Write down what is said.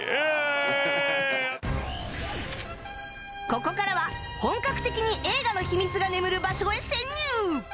ここからは本格的に映画の秘密が眠る場所へ潜入